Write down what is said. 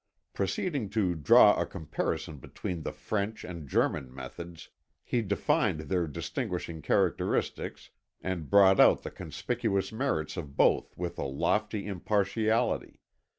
Proceeding to draw a comparison between the French and German methods, he defined their distinguishing characteristics and brought out the conspicuous merits of both with a lofty impartiality.